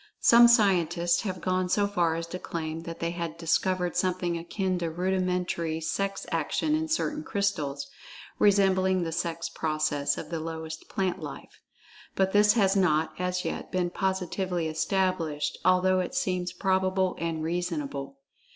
Some scientists have gone so far as to claim that they had discovered something akin to rudimentary sex action in certain crystals, resembling the sex process of the lowest plant life. But this has not, as yet, been positively[Pg 51] established, although it seems probable and reasonable.